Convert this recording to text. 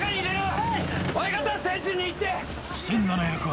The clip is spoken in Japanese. はい！